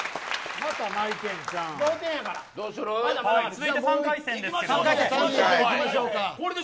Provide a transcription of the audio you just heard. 続いて３回戦です。